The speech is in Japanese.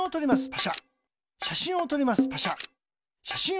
パシャ。